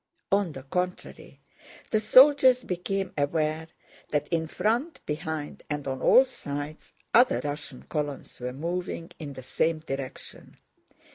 On the contrary, the soldiers became aware that in front, behind, and on all sides, other Russian columns were moving in the same direction.